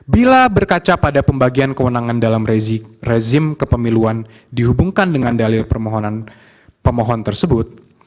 bila berkaca pada pembagian kewenangan dalam rezim kepemiluan dihubungkan dengan dalil permohonan pemohon tersebut